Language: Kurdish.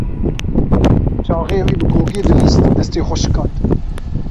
Çaxê wî bi gogê dilîst, destê xwe şikand.